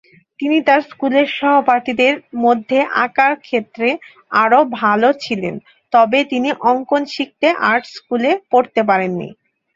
তিনি তাঁর স্কুলের সহপাঠীদের মধ্যে আঁকার ক্ষেত্রে আরও ভাল ছিলেন তবে তিনি অঙ্কন শিখতে আর্ট স্কুলে পড়তে পারেননি।